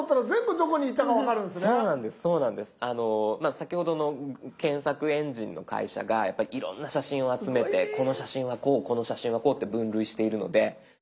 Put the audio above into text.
先ほどの検索エンジンの会社がやっぱりいろんな写真を集めてこの写真はこうこの写真はこうって分類しているので。